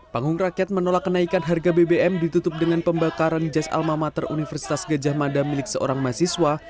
panggung rakyat menolak kenaikan harga bbm ditutup dengan pembakaran jas almamater universitas gejah mada milik seorang mahasiswa